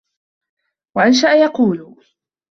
وَأَنْشَأَ يَقُولُ